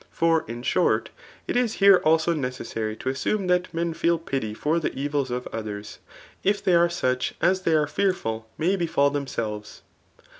« For, in short, it. is beck also nedessary to asssunetbat mea feel p&y fot the: evils iof othej:s,' if they ace sbohiasthey are fearful' may b^al themselves